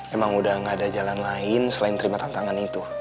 emang udah gak ada jalan lain selain terima tantangan itu